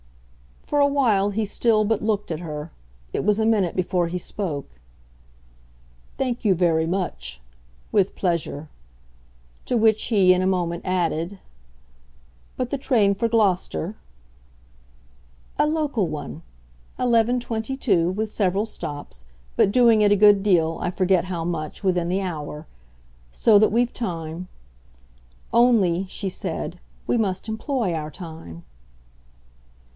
For a while he still but looked at her; it was a minute before he spoke. "Thank you very much. With pleasure." To which he in a moment added: "But the train for Gloucester?" "A local one 11.22; with several stops, but doing it a good deal, I forget how much, within the hour. So that we've time. Only," she said, "we must employ our time."